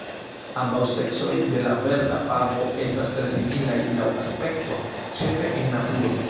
Ambaŭ seksoj de la Verda pavo estas tre similaj laŭ aspekto, ĉefe en naturo.